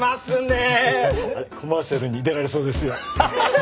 コマーシャルに出られそうですよ。